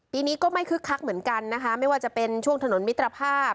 ปีนี้ก็ไม่คึกคักเหมือนกันนะคะไม่ว่าจะเป็นช่วงถนนมิตรภาพ